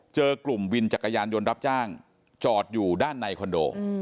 เจอกลุ่มวินจักรยานยนต์รับจ้างจอดอยู่ด้านในคอนโด